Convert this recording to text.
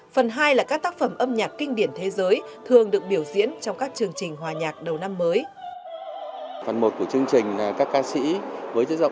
phần hai là các tác phẩm âm nhạc kinh điển thế giới thường được biểu diễn trong các chương trình hòa nhạc đầu năm mới